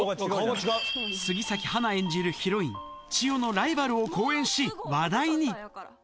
杉咲花演じるヒロイン、千代のライバルを好演し、話題に。